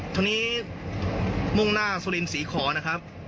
ทวนี้มุ่งหน้าศรีฯสีขอนะครับ